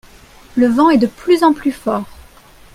Le vent est de plus en plus fort.